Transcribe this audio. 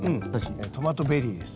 トマトベリーです。